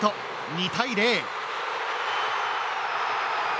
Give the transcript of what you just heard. ２対０。